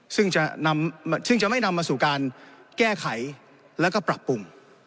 ซึ่งจะไม่นำมาสู่การแก้ไขแล้วก็ปรับปรุง